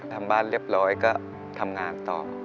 ทำบ้านเรียบร้อยก็ทำงานต่อ